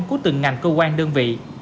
của từng ngành cơ quan đơn vị